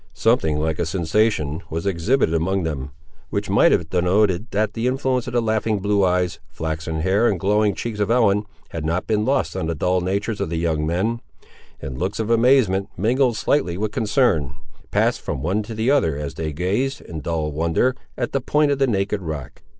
Something like a sensation was exhibited among them, which might have denoted that the influence of the laughing blue eyes, flaxen hair, and glowing cheeks of Ellen, had not been lost on the dull natures of the young men; and looks of amazement, mingled slightly with concern, passed from one to the other as they gazed, in dull wonder, at the point of the naked rock.